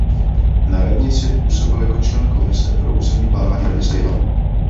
Na radnici působil jako člen Komise pro územní plánování Rady města Jihlavy.